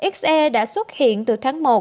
xe đã xuất hiện từ tháng một